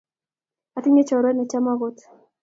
Atinye Choruet ne chama kot,